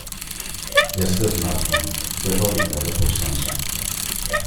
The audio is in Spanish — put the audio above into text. Este smartphone fue fabricado por Samsung.